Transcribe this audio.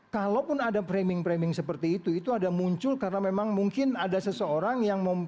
kalaupun ada framing framing seperti itu itu ada muncul karena memang mungkin ada seseorang yang